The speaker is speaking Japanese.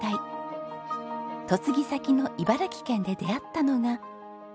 嫁ぎ先の茨城県で出会ったのが。